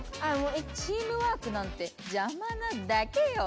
チームワークなんてジャマなだけよ。